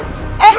nggak ada apa apa